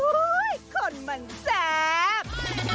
อุ๊ยคนมันแซม